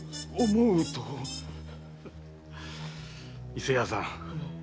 伊勢屋さん